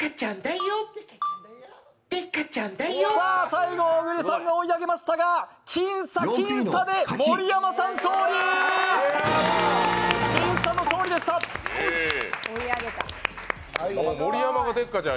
最後は小栗さんが追い上げましたが、僅差、僅差で盛山さんの勝ち！